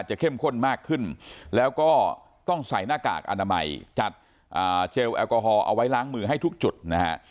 เข้มข้นมากขึ้นแล้วก็ต้องใส่หน้ากากอนามัยจัดเจลแอลกอฮอลเอาไว้ล้างมือให้ทุกจุดนะฮะ